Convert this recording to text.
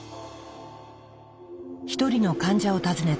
一人の患者を訪ねた。